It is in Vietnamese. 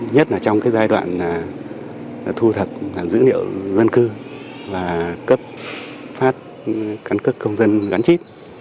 nhất là trong giai đoạn thu thập dữ liệu dân cư và cấp phát cắn cất công dân gắn chít